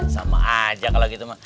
sama aja kalau gitu